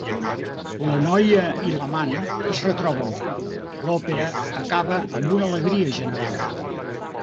La noia i l'amant es retroben i l'òpera acaba amb una alegria general.